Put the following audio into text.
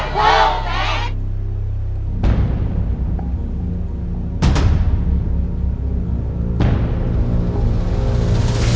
หนูแสน